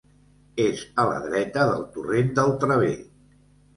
És a la dreta del torrent del Traver.